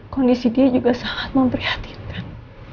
kondisi dia juga sangat memprihatinkan